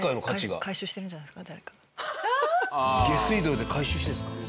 下水道で回収してるんですか？